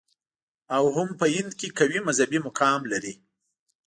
او هم په هند کې قوي مذهبي مقام لري.